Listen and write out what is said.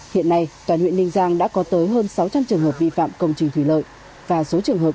hiện nay toàn huyện ninh giang đã có tới hơn sáu trăm linh trường hợp vi phạm công trình thủy lợi và số trường hợp